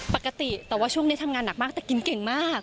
ปกติแต่ว่าช่วงนี้ทำงานหนักมากแต่กินเก่งมาก